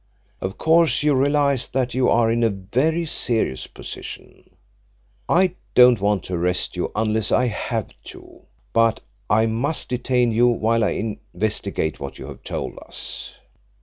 Of course you realise that you are in a very serious position. I don't want to arrest you unless I have to, but I must detain you while I investigate what you have told us.